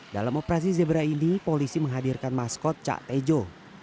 dalam operasi zebra ini polisi menghadirkan maskot cak tejo